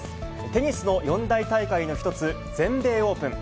テニスの四大大会の一つ、全米オープン。